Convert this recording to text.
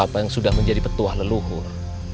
apa yang sudah menjadi petua leluhur